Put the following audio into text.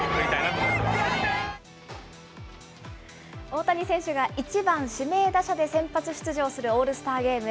大谷選手が１番指名打者で先発出場するオールスターゲーム。